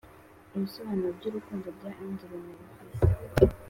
"ibisobanuro by'urukundo" by andrew marvell